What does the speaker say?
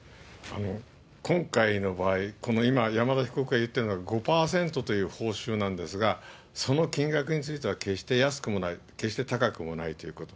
今回の場合、今、山田被告が言ってるのは５％という報酬なんですが、その金額については決して安くもない、決して高くもないということ。